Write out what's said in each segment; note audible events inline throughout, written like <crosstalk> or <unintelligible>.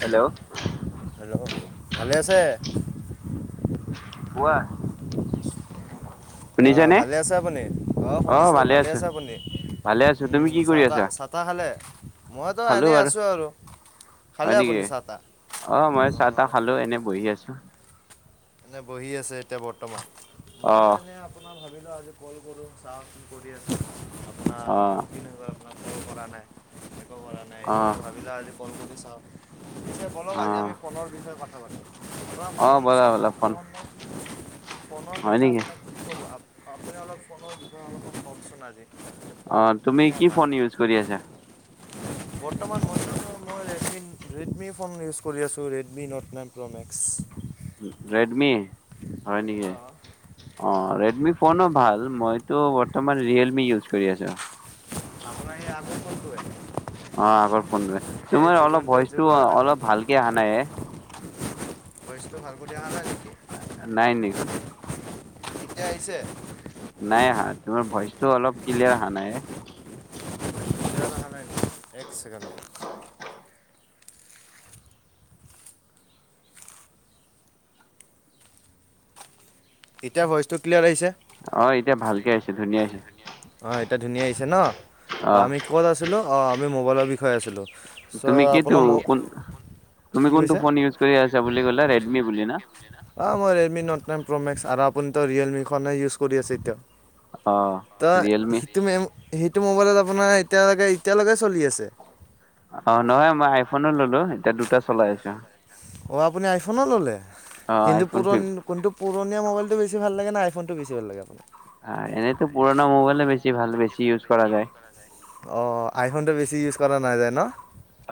Hello hello ভালে আছে। কোৱা। অ, শুনিছানে? ভালে আছে আপুনি অ শুনিছো ভালে আছে আপুনি ভালে আছো তুমি উম কি চাহ কৰি আছা? চাহ তাহ খালে। মইতো খালো এনেই আৰু, আছোঁ খালে হয় নেকি আপুনি চাহ তাহ অ মই চাহ তাহ অঁ খালো এনে বহি আছো। অঁ। এনে বহি আছে এতিয়া বৰ্তমান। অ ময়ো এনে আপোনাৰ। ভাবিলো আজি কল কৰোঁ, চাওঁ কৰি আছে। অ, আজি বহুত দিন হব পৰা নাই <unintelligible> কৰা নাই অ এইটো ভাবিলো আজি। কল কৰি চাও। পিছে বলক অ আজি আমি পলৰ বিষয়ে পাতো । নব <inaudible> আ ফ অ ব'লা ব'লা চ <inaudible> অসম ফোন পনৰৰ হয় বিষয় নেকি? আপোনাকু প্ৰ ভাৱ <inaudible> আপুনি অলপ ফোনৰ বিষয়ে অলপ কওকচোন আজি। যে অ, ফোন তুমি কা কি ভাল ফোন ইউজ কৰি আছা? বৰ্তমান সময় মই ৰেডমি, ৰেডমি ফোন ইউজ কৰি আছোঁ ৰেডমি ন'ট নাইন প্ৰ' মেক্স। ৰেডমি? হয় নেকি, অঁ অ ৰেডমি। কনো ভাল মইতো বৰ্তমান ৰিয়েলমি ইউজ কৰি আছোঁ। আপোনাৰ এই আগ ফোন তোয়ে? অ, আগ ফোন তোমাৰ অলপ যুগন্ত ভইচটো যুগৰ আগত অলপ ভালকে আহা নাই। ভইচটো ভালকৰি আহা নাই। নাই নিখন এতিয়া আহিছে? নাই আহা, তোমাৰ ভইচটো অলপ ক্লিয়াৰ অহা নাই। আহা নাই নি, এক ছেকেণ্ডত ৰ'ব । এতিয়া ভইচটো ক্লিয়াৰ আহিছে? অ, এতিয়া ভালকে আহিছে ধুনীয়া কে এতয়া ধুনীয়া আহি হৈছে ন আমি ক'ত আছিলোঁ। অঁ আমি মোবাইলৰ বিষয়ে আছিলোঁ তুমি চ' কিতো আপোনাৰ কো ম তুমি কি কোনটো কৈছে? ফোন ইউজ কৰি আছা বুলি ক'লে ৰেডমি বুলি ন অ মই ৰেলডমি নট নাইন প্ৰ'মেক্স আৰু আপুনিতো ৰিয়েলমিখনে ইউজ কৰি আছে এতিয়া অ ত ৰিয়েলমি হিতো মেম সেইটো মোবাইলত আপোনাৰ এতিয়ালৈকে এতিয়ালৈকে চলি আছে অ নহয় মই আইফোনে ললোঁ এতিয়া দুটা চলাই আছো অ আপুনি আইফোনো ল'লে। অ কিন্তু আইফোন পুৰণ ফিফ কোনটো পুৰণিয়া মবাইলটো বেছি ভাল লাগে আইফোনটো বেছি ভাল লাগে আপোনাক। এনেইতো পুৰণা মোবাইলে বেছি ভাল বেছি। চি ইউজ কৰা যায়। অঁ আইফোনটো বেছি ইউজ কৰা নাযায় ন।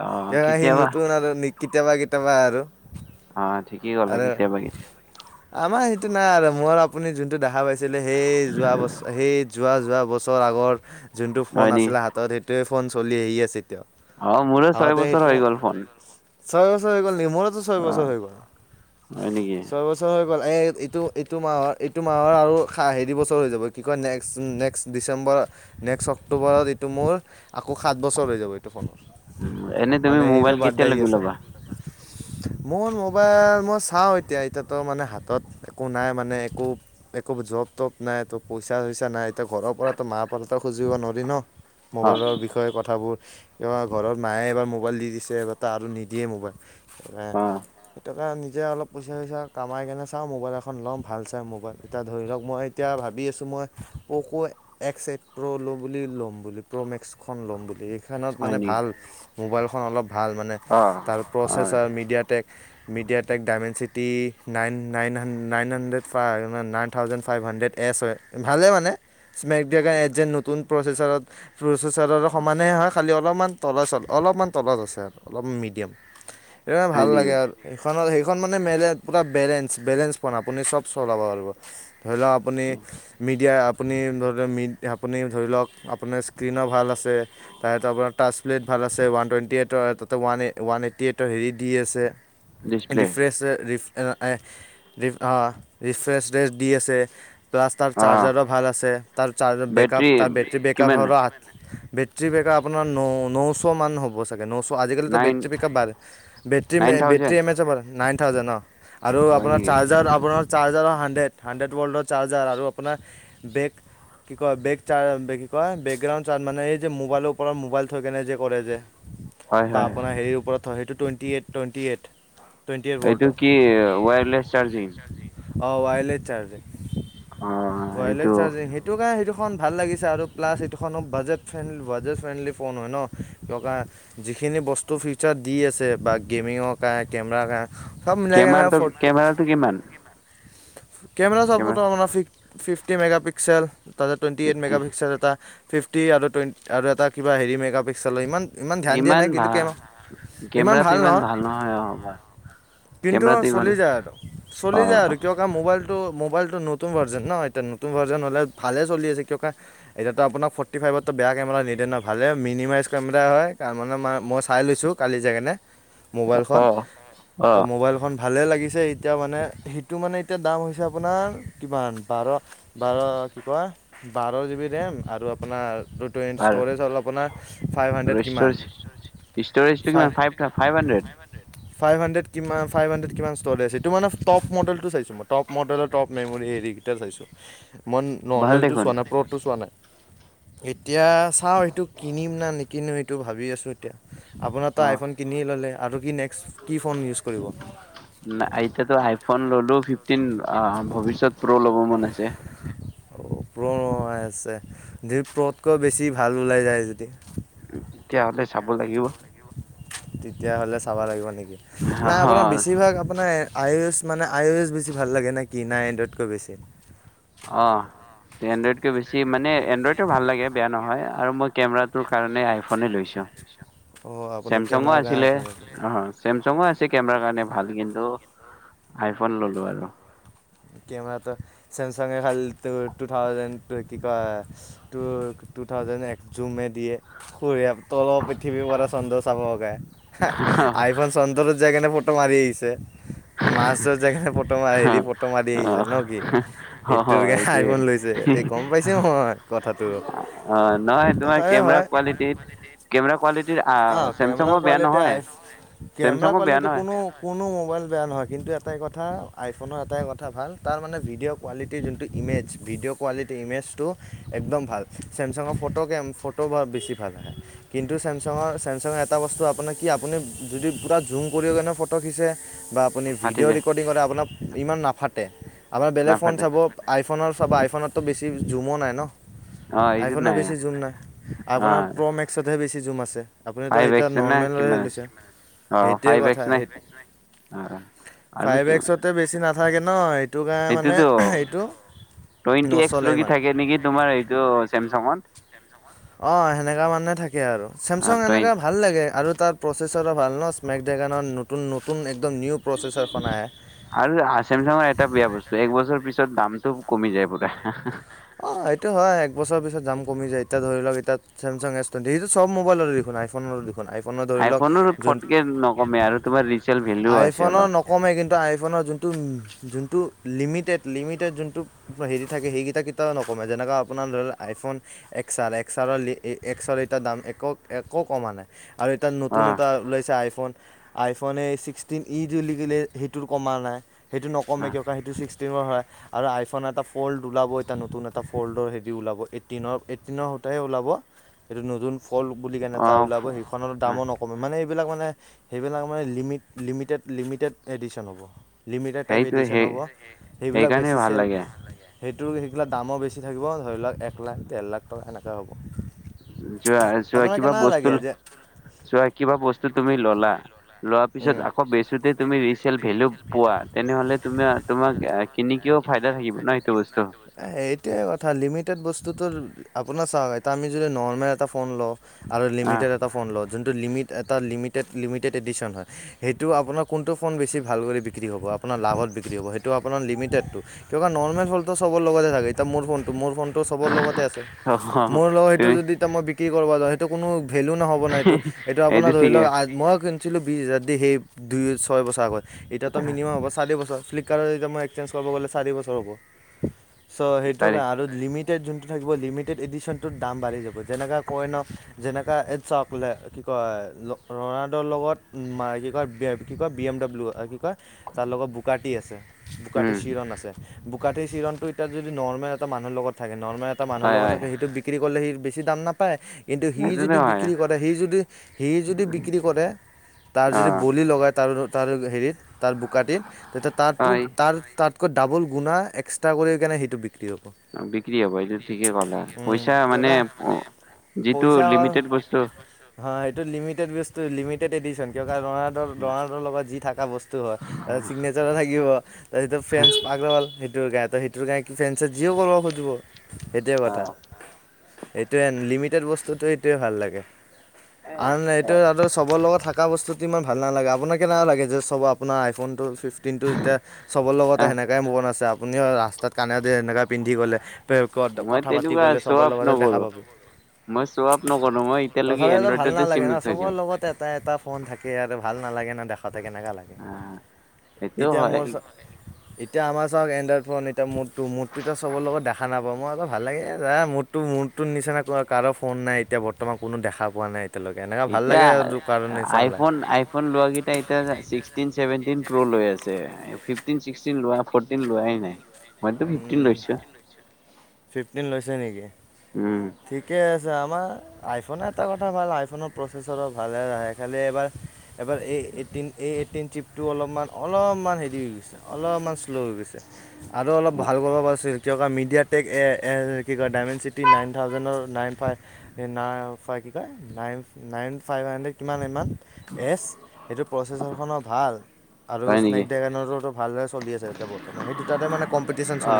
অ ইয়াৰ সি কেতিয়াবা নতুন আৰু নি কেতিয়াবা কেতিয়াবা আৰু অঁ ঠিকে কলা আৰু কেতিয়াবা কেতিয়াবা আমাৰ নাই সেইটো আৰু মোৰ আপুনি যোনটো দেখা পাইছে। দিলে সেই যোৱা বছ সেই যোৱা যোৱা বছৰ আগৰ যোনটো ফোন হয় নি আছে সেইটোৱে ফোন চলি আহি আছে এতিয়াও অ মোৰে ছয় বছৰ হৈ গ'ল ফোন চয় হৈ গল। মোৰোতো চয় অ বছৰ হৈ হয় নেকি গল এই এইটো এইটো মাহৰ এইটো মাহৰ আৰু হেৰি বছৰ হৈ যাব কি কয় নেক্সট নেক্সট ডিচেম্বৰ নেক্সট অক্টোবৰত এইটো মোৰ আকৌ সাত বছৰ হৈ যাব এইটো ফোনৰ। এনেই তুমি মানে সেইটো মোবাইল বাৰ্থডে কেতিয়া আহি লগি আছে ল'বা। মোৰ মোবাইল মই চাওঁ এতিয়া এতিাতো মানে হাতত একো নাই মানে একো একো জপ তপ নাইো পইচা চইচা নাই এয়া ঘৰৰ পৰাতো মা পততো খুজিব নোৱাৰি ন। অ মোবাইলৰ বিষয়ে কথাবোৰ। কা ঘৰৰত মায়ে এবাৰ মোবাইল দি দিছে এবাৰ তটা আৰু নিদিয়ে মোবাইল অ স নিজে অলপ পইচা চইচা কমাই কেনে চাওঁ মোবাইল এখন ল'ম ভাল চাই মোবাইল এতিয়া ধৰি লওক মই এতিয়া ভাবি আছোঁ মই পোক' এক্স এইট প্ৰ' লো বুলি ল'ম। বুলি প্ৰ'মেক্সখন ল'ম বুলি। ফেনত হয় মানে নেকি ভাল। মোবাইলখন অলপ। ভাল মানে অ তাৰ অ processor MediaTek. MediaTek Dimensity nine nine হা nine hundred nine thousand five hundred এছ হয় ভালে মানে। স্মেকড্ৰোগান এজন নতু প্ৰ। আছাৰত। চচাৰৰ সমানে হয় খালী অলপমান তলত অলপমান তলত আছে আৰু অলপমান মিডিয়াম। হয় ভাল নেকি লাগে আৰু এইেইখনত স। সেই জন মানে আপুনাৰ বেলেঞ্চ বেলেঞ্চ প আপুনি চব চলাব পাৰিব। ধৰি লওক আপুনি মিডিয়াই। আপুনি ধৰি লওক মি আপুনি ধৰি লওক। আপোনাৰ স্ক্ৰীণনৰ ভাল আছে তাৰত আপোনাৰ টাচ প্লে ভাল আছে ওৱান টুৱেণ্টি এইটৰ তাতে ওৱান এই ওৱান এইটি এইটৰ হেৰি দি আছে। Display refresh. ৰিফ্ৰেছ ্ৰেছ দি আছে। <unintelligible> প্লাছ তাৰ অঁ চাৰ্জাৰো ভাল আছে তাৰ চাৰ্জাৰ বেকআপ বেটৰী তাৰ বেটে বক। কিমান কভৰাত। <unintelligible> বেটেী বকপ আপোনাৰ ন নশ মান হ'ব চাগে ন। আজিকালিটো নাইন বেটাৰী পিকআপ বঢ নাইন বেটি থাউজেণ্ড এম এচাৰ নাইন। <unintelligible> থউজণ্ ন। <unintelligible> আৰু হয় আপোনাৰ নেকি চাৰ্জাৰ আপোনাৰ। চাৰ্জাৰৰ হাণ্ড্ৰেড হাণ্ড্ৰেড, ৱল্ডৰ চাৰ্জাৰ আৰু আপোনাৰ বেগ কি কয় বেগে। ক বেকগ্ৰাউণ্ড মানে এই যে মোবাইলৰ ওপৰত মোবাইল থৈ কেনে যে কৰে যে। হয় বা হয় আপোনাৰ সেই ওপৰত। সেইটো twenty eight twenty eight. Twenty eight এইটো বৰ্ডৰ কি ৱায়াৰলেছ চাৰ্জিং। অঁ ৱাইাৰলেছ চাৰ্জ। অঁ এইটো চজিং সেইটো কাৰণ সেইটো <unintelligible> এখন ভাল লাগিছে আৰু। প্লাছ এইটোখনো budget friendly budget friendly phone হয় ন কুৱা যিখিনি বস্তু ফিচাৰ দি আছে বা গেমিঙৰ কাৰণ কেমেৰ কাৰ। কেমেৰাটো, কেমেৰাটো কিমান? কেমেৰা চাপৰ্ট আপুনাৰ । Fifty megapixel. ত টুৱেট এই ফিফটি মেগাাপিক্ চা <unintelligible> ফিফটি আৰু টুৱেটি আৰু এটা কিবা হেৰি মেগা পিক্সেলৰ ইমান। ইমান ধ্যান দিয়া নাই কিন্তু, কে ইমান ভাল নহয় কিন্তু কেমেৰাটো ইমান চলি যায় আৰু চলি যায় আৰু অঁ কিয় কাৰ মোবাইল। টো মোবাইলটো নতুন ভাৰ্জন ন, এতিয়া নতুন ভাৰ্জন হলে ভালে চলি আছে কিয়। এতিয়াতো আপোনাক ফৰ্টি ফাইভতো বেয়া কেমেৰা নিদে ন ভালে মিনিমাইজ কেমেৰা হয় কাৰ মেই মই চাই লৈছোঁ কালি যা ইনে মোবাইলখন অঁ ত অঁ মোবাইল খন ভালে লাগিছে এতিয়া মানে সেইটো মানে এতিয়া দাম হৈছে আপোনাৰ কিমান বাৰ বাৰ কি কয় বাৰ জিবিত। ৰেম আৰু আপোনাৰ ভাল ষ্ট'ৰেজ হ'ল আপোনাৰ ফাইভ হাণ্ড্ৰেড আৰু কিমান ষ্টৰেজ ষ্টৰেজটো ফাইভ কিমান ফাইভ হাণ্ড্ৰেড হান্ডেত কিমান। ফাইভ হাণ্ড্ৰেড কিমান ফাইভ হাণ্ড্ৰেড কিমান ষ্ট'লেজ এইেইটো মানে টপ মডেলটো চাইছো মইটপ মডেলৰটপ মেম'ৰি হৰিকেইটা চাইছোঁ মই ভাল নৰ্মেলটো দেখোন চোৱা নাইপৰত চোৱা নাই এতিয়া চাও সেইটো কিনিম না নেকি কিনো এইেইটো ভাবি আছোঁ এতিয়া আপোনাৰ তো আইফোন কিনি ল'লে আৰু কি নে্স এতিাতো আইফোন ললো ফিফটিন ভৱিষ্যত প্ৰ উ ল'ব মন আছে আৰু প্ৰ ও আহ আছে প্ৰ ও'তাকৈ বেছি ভাল ওলাই যায় যদি তেতিয়াহলে চাব লাগিব তেতিয়াহ'লে চাব লাগিব নেকি নাই আপোনাৰ হ- বেছিভাগ আপোনাৰ আই অ' এছ মানে আই অ' এছ বেছি ভাল লাগে নে কি নাই এনডাতকৈ বেছি। অ থি হাইড্ৰেট কৈ বেছি মানে এনডাইডটো ভাল লাগে বেয়া নহয় আৰু মই কেমেৰাটোৰ কাৰণে আইফনে লৈছো অঁ আপুনি চেমচং কেমেৰাৰ কাৰণে আছিলে চাই আহ চেমচঙ আছিল কেমেৰ কাৰণে ভাল কিন্তু আইফ ফন ল'লোঁ আৰু আৰু। কেমেৰাটো চেমচাঙে খালী টু থাউজেণ্ড কি কয় টু টু থাউজেণ্ড এক জুমে দিয়ে স তল পৃথিৱীৰ পৰা চন্দ্ৰ চাবে আইফোনন চন্দৰতো <unintelligible> মাৰি আহিছে। মাছ ধৰ জেগা ফটো মা হেৰি ফত অহ, অহ-অহ কাৰণে এইটোৱে আইফোন লৈছে এই গম পাইছো মই কথাটো। অহ। নহয় তোমাৰ তথাপি কেমেৰা কোৱালিটিত কেমেৰা কোৱালিটি আহ কেমেৰা কোৱালিট আই কেমেৰা চেমচাঙো বেয়া কোৱালিটি নহয়। কোনো-কোনো ম'বাইল বেয়া নহয় কিন্তু এটাই কথা আইফোনৰ এটাই বেয়া নহৈ কিন্তু আটায়ে কথা আই ফোনৰ আটায়ে কথা ভাল তাৰ মানে ভিডিঅ কোৱালিটিৰ যোনটো ইমেজ ভিডিঅ কোৱালিট ইমেজটো একদম ভাল চেমচাঙৰ ফটো কেম, ফটো বেছি ভালে আহে। কিন্তু ছেম চেমচঙৰ-চেমচাঙৰ এটা বস্তু আপোনাৰ কি আপুনি যদি পূৰা জুম কৰি কেনে ফটো খিচে বা আপুনি ফাটি ভিডিঅ' যায় ৰেকৰ্ডিং কৰে আপোনাক ইমান নাফাটে, আপোনাৰ বেলেগ ফোন নাফাটে চাব আ আইফোনৰ চাবা আইফোনতো বেছি জুমো নাই ন? অ', এইটোত আইফোন নাই বেছি জুম নাই, আপোনাৰ অ', প্ৰ মেক্সহে বেছি জুম আপুনি টো ফাইভ এতিয়া এক্স নে নৰ্মেল হে কিমান আছে। লৈছে। হেতোৱে ফাইভ কথা, এক্স নাই অ ফাইভ আৰুতো এক্স তে বেছি থাকে ন কাৰণে মানে সেইটোতো এইটো টুৱেণ্টি এক্স নচলে লগি ইমান থাকে নেকি তোমাৰ এইটো চেমচাঙত? অ সেনেককা মানুহে থাকে। তে আৰু চেমচং এনেককাা ভাল লাগে আৰু তাৰ প্ৰচেছৰ ভাল ন স্নেেক ড্ৰেগনৰ নতুন-নতুন আৰু চছেমচাঙৰ এটা বেয়া বস্তু একবছৰ পিছত দামটো কমি যায় বোলে। অ এইটো হয় এক বছৰ পিছত দাম কমি জাই। এতিয়া ধৰি লওক এতিয়া চেমাং এছ টুৱেন্টি সটো চব মোবাইলো দেখোন আইফোননৰো দেখোন ধৰিলৌক, আইফোনৰ ফটকে নকমে আৰু তোমাৰ ৰিচেল ভেলু আই আছে ফোনৰ অলপ নকমা কিন্তু আই ফোনৰ জুন যোনটো লিমিটেড-লিমিটেড যোনটো হেৰি থাকে সেইকেইটা নকমে যেনেকা আপোনাৰ ধৰি লক আইফোন এক্সেল, এক্সেলৰ এক্সৰ দাম একো-একো কমা নাই। আৰু এাত নতুন এটা ওলাইছে আইফোন। আইফোনে ছিক্সটিন ই য <unintelligible> লে সেইটোৰ কমা নাই। সেইটো নকমে কেই কা সটো ছিক্স ি হয় আৰু আইফোন এটা প'ল্ড ওলাব এটা নতুন এটা ফল্ডৰ হেৰি ওলাব এইটিনৰ-এইটিনৰ সৈতে ওলাব এইটো নতুন ফল বুলি কেনে অ অ এটা ওলাব সেইখননৰ দামো নকমে মানে সেইবিলাক মানে সেইবিলাক মানে লিমিটেড-লিমিটেড এডিশন হ'ব। লিমিটেড টাইপ সেইটো এডিশন সেই হ'ব, সেইবিলাক সেইকাৰণে বেছি ভাল চেল লাগে সেইটো দামো বেছি থাকিব ধৰি লওক এক লাখ ডেৰ লাখটকা এনেকুৱৈ হ'ব। যোৱা চোৱা আপোনাক কিবা কেনে বস্তু, লাগে যে চোৱা কিবা বস্তু তুমি ললা লোৱাৰ পিছত আকৌ বেচোতে তুমি ৰিচেল ভেলু পোৱা তেনেহলে তুমি তোমাক কিনি কিয়ও ফাইদা থাকিব ন সেইটো বস্তু। এ এইটোৱে কথা লিমিটেড বস্তুতো আপোনাৰ চাওক এতিয়া আমি যদি নৰ্মেল এটা ফোন লওঁ, আৰু আহ লিমিটেড এটা ফোন লৈ। যোনটো লিমিট এটা লিমিটেড লিমিটেড এডিশ্যন হয় সেইটো আপোনাৰ কোনটো ফোন বেছি ভাল কৰি বিক্ৰী হ'ব আপোনাৰ লাভত বিক্ৰী হ'ব সেইটো আপোনাৰ লিমিটেডটো কিয় বা নৰ্মেল ফোনটো চবৰ লগতে থাকে মোৰ ফোনটো মোৰ ফোন ত চবৰ লগতে আছে অ মোৰ ৰ সেইটো তুমি যদি তা মই বিক্ৰী কি কৰিবা যা সেইটো কোনো ভেলো নহ'ব ন এইটো এইটো আপোনাৰ ধৰি লওক মই আছিলে বিশছ হাজাৰ দি সেই দুই ছয় বছৰ আগত এতিয়াতো মিনিমাম হ'ব চাৰি বছৰ ফ্লিপকাৰ্টত এতিয়া মই একসেঞ্ কৰাব গ'লে চাৰি বছৰ হ'ব <inaudible> চ' সেইটো চাৰি কাৰ আৰু লিমিট এতিয়া যোনটো থাকিব লিমিটেড এডিশনটোত দাম বাঢ়ি যাব যেনেকা কয় ন যেনেকা এ চাওক কি কয় ৰণাল্ডৰ লগত কয় কি কয় বি এম ডাব্লিউ কি কয় তাৰ লগত বোকাটি আছে বোকাটি উম চিৰণ আছে। বোকাটি চিৰণটো এতিয়া যদি নৰ্মেল এটা মানুহ লগত থাকে না । নৰ্মেল এটা মানুহৰ হয় লগ হয় থাকে সেইটো বিক্ৰী কৰিলে সি বেছি দাম নাপায়। কিন্তু সি সেইটোতো যদি হয় বিক্ৰী কৰে সি যদি সি যদি বিক্ৰী কৰে তাৰ অ যদি বলি লগায় তাৰ তাৰ হেৰিত তাৰ বোকাটিত তেতিয়া তাৰ তো হয় তাৰ তাত কৈ ডাবল গুণা এক্সট্ৰা কৰি কেনে সেইটো বিক্ৰী হ'ব বিক্ৰী হ'ব এইটো ঠিকে কলা পইচা কিয় মানে কা যিটো পইচা হ'ল লিমিটেড বস্তু হয় সেটো লিমিটেড বস্তু লিমিটেড এডিশ্যন দৰাৰ দৰাটোৰ লগত যি থাকা বস্তু হয় চিগনেচাৰো থাকিব। এইটো ফেঞ্চ আগৰৱাল। গা তো সেইটো গা তো কি ফেঞ্চ আচ্ছা যিও কৰিব' খুজিব সেইটোৱে অ কথা। এইটোৱে লিমিটেড বস্তুটো এইটোৱে ভাল লাগে, এ আৰু এইটো আৰু চবৰ লগত, থকা বস্তুটো ইমান ভাল নালাগে আপোনাক কেনেকুৱা লাগে যে চব আপোনাৰ আইফোনটো ফিফটিন টো যেতিয়া চবৰ লগতে আহ সেনেকাই মোভঅন আছে। আপুনি আৰু ৰাস্তাত কানেদি সেনেকা পিন্ধি গ'লে মই কথা পাতি তেনেকুৱা গ'লে শ্ব চবৰ আপ লগতে দেখা নকৰো পাব মই শ্ব আপ নকৰো মই এতিয়ালৈকে তথাপিতো ভাল এনডইডেতে নালাগে চিম ন চবৰ লগত এটা এটা ফোন থাকে আৰু ভাল নালাগে না দেখাব তাতে কেনেকুৱা লাগে আহ সেইটোও এতিয়া হয় মোৰ। এতিয়া আমাৰ চ আই ফোন এতিৱা এটা মো <unintelligible> ত' মটটো চবৰ লগত দেখা নাপাওঁ। মোৰতো আকৌ ভাল লাগে যা মোৰতো মোৰতো নিচিনা কাৰো ফোন নাই এতিয়া বৰ্তমান কোনো দেখা পোৱা নাই এতিয়ালৈকে এনেকুৱা ভাল লাগে এতিয়া আৰু কাৰো নিচিনা নাই আইফোন আইফোন লোৱা কেইটা চিছটিন ছেভেন্তিন প্ৰো লৈ আছে ফিফটিন চিছটিন ফৰটিন লোৱা নাই মইতো ফিফটিন লৈছোঁ। ফিফটিন লৈছে নেকি? ঠিকে আছে। আমাৰ আইফোনৰ এটা কথা ভাল আইফোনৰ প্ৰচেছৰো ভালে ৰাে খালি এবাৰ এবাৰ এইটিন এই এইটিন ট্ৰিপটো অলপমান অলপমান হেৰি হৈ গৈছে অলপমান শ্ল' হৈ গৈছে আৰু ভাল কৰাব আছে ক মিডিয়া টেক এ কি কয় ডায়মেণ্ড চিটি নাইন থাউজেণ্ডৰ নাইন ফাইভ ন কি কয় নাইন নাইন ফাইভ হাণ্ড্ৰেড কিমান । এছ সেইটো প্ৰচেছাৰখনো ভাল আৰু হয় স্নেক নেকি ড্ৰেগনৰোতো ভালদৰে চলি আছে তাতে বৰ্তমান সেই দুটাতে মানে ক অ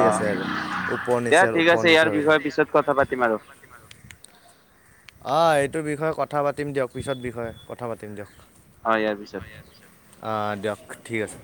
দিয়া ঠিক ওপৰ আছে ইয়াৰ বিষয়ে পিছত কথা নিচৰ পাতিম আৰু আহ এইটোৰ বিষয়ে কথা পাতিম দিয়ক পিছত বিষয়ে কথা পাতিম দিয়ক অ ইয়াৰ পিছত অ দিয়ক ঠিক আছে